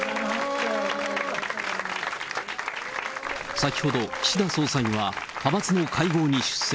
先ほど、岸田総裁は、派閥の会合に出席。